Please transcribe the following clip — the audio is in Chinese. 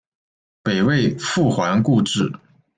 北魏复还故治。